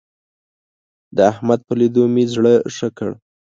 د احمد په ليدو مې زړه ښه کړ.